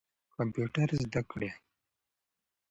کمپیوټر زده کړئ.